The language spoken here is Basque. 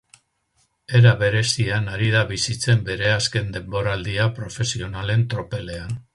Era berezian ari da bizitzen bere azken denboraldia profesionalen tropelean.